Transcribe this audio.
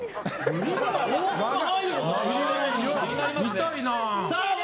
見たいな。笑